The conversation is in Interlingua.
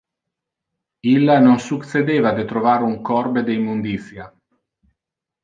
Illa non succedeva de trovar un corbe de immunditia.